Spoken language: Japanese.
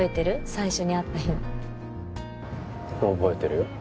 最初に会った日の覚えてるよ